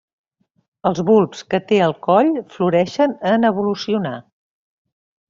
Els bulbs que té al coll floreixen en evolucionar.